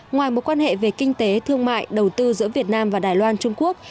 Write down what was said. ngoài mối quan hệ về kinh tế thương mại đầu tư giữa việt nam và đài loan trung quốc